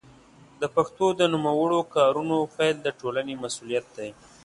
د پښتو د نوموړو کارونو پيل د ټولنې مسوولیت دی.